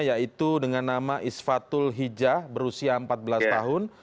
yaitu dengan nama isfatul hijah berusia empat belas tahun